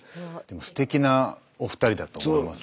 すてきなお二人だと思います。